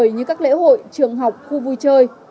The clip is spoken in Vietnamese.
như các lễ hội trường học khu vui chơi